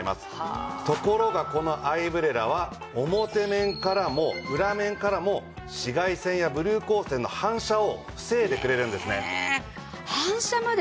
ところがこのアイブレラは表面からも裏面からも紫外線やブルー光線の反射を防いでくれるんですね。